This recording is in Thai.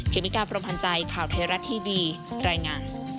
เมกาพรมพันธ์ใจข่าวเทราะทีวีรายงาน